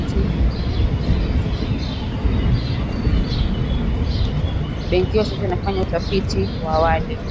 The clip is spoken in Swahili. Benki hiyo kwa sasa inafanya utafiti wa awali kufahamu kuruhusiwa ama kuzuiwa kwa sarafu za kimtandao.